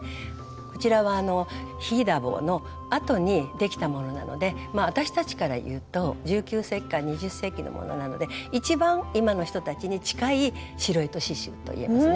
こちらはヒーダボーのあとにできたものなので私たちからいうと１９世紀から２０世紀のものなので一番今の人たちに近い白糸刺しゅうといえますね。